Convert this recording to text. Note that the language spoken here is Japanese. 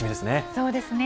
そうですね。